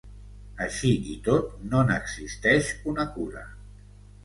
Així i tot, no n’existeix una cura.